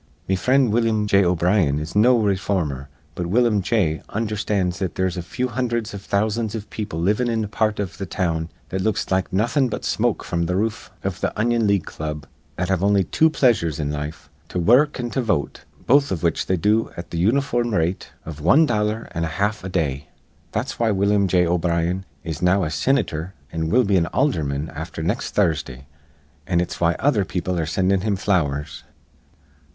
Me frind Willum J. O'Brien is no rayformer. But Willum J. undherstands that there's a few hundherds iv thousands iv people livin' in a part iv th' town that looks like nawthin' but smoke fr'm th' roof iv th' Onion League Club that have on'y two pleasures in life, to wur ruk an' to vote, both iv which they do at th' uniform rate iv wan dollar an' a half a day. That's why Willum J. O'Brien is now a sinitor an' will be an aldherman afther next Thursdah, an' it's why other people are sinding him flowers.